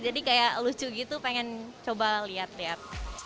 jadi kayak lucu gitu pengen coba lihat lihat